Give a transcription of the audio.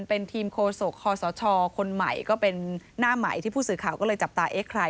เป็นทีมโคศกคอสชคนใหม่ก็เป็นหน้าใหม่ที่ผู้สื่อข่าวก็เลยจับตาเอ๊ะใคร